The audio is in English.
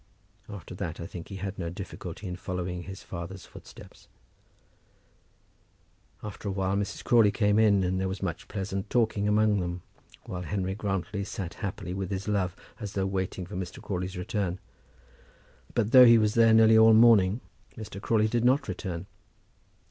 After that I think he had no difficulty in following in his father's footsteps. After a while Mrs. Crawley came in, and there was much pleasant talking among them, while Henry Grantly sat happily with his love, as though waiting for Mr. Crawley's return. But though he was there nearly all the morning Mr. Crawley did not return.